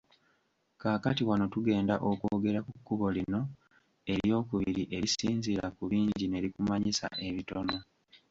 Kaakati wano tugenda okwogera ku kkubo lino eryokubiri, erisinziira ku bingi ne likumanyisa ebitono.